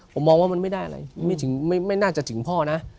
ผมมองว่ามันไม่ได้อะไรไม่น่าจะถึงพ่อนะ